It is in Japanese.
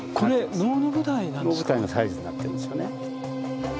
能舞台のサイズになってるんですよね。